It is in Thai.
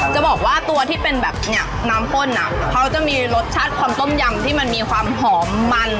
จะบอกว่าตัวที่เป็นแบบเนี่ยน้ำข้นอ่ะเขาจะมีรสชาติความต้มยำที่มันมีความหอมมัน